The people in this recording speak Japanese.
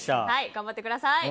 頑張ってください。